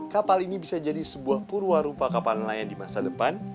kapal ini bisa jadi sebuah purwarupa kapal nelayan di masa depan